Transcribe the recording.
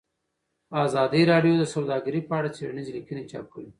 ازادي راډیو د سوداګري په اړه څېړنیزې لیکنې چاپ کړي.